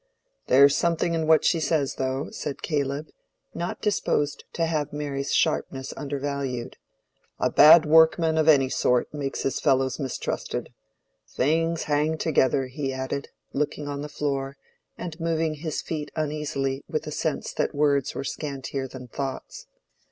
"There's something in what she says, though," said Caleb, not disposed to have Mary's sharpness undervalued. "A bad workman of any sort makes his fellows mistrusted. Things hang together," he added, looking on the floor and moving his feet uneasily with a sense that words were scantier than thoughts.